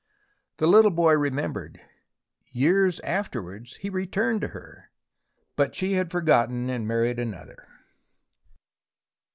The little boy remembered. Years afterwards he returned to her, but she had forgotten and married another.